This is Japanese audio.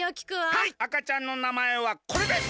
はいあかちゃんの名前はこれです！